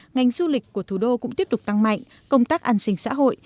ngành du lịch của thủ đô cũng tiếp tục tăng mạnh công tác an sinh xã hội